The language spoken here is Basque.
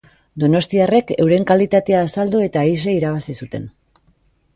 Donostiarrek euren kalitatea azaldu eta aise irabazi zuten.